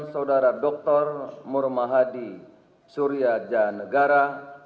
saudara dr murmahadi surya janegara